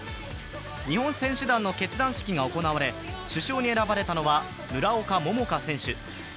日本選手団の結団式が行われ、首相に選ばれたのは村岡桃佳選手。